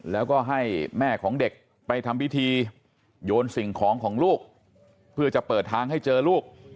แล้วก็ให้แม่ของเด็กไปทำพิธีโยนสิ่งของของลูกเพื่อจะเปิดทางให้เจอลูก